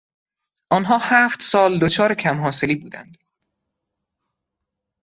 آنها هفت سال دچار کم حاصلی بودند.